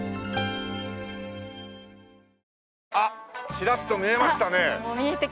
チラッと見えましたね。